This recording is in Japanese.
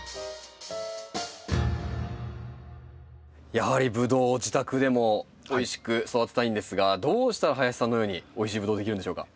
やはりブドウを自宅でもおいしく育てたいんですがどうしたら林さんのようにおいしいブドウ出来るんでしょうか？